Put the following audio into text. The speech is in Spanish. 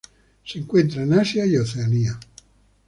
Se encuentra en Asia y Oceanía.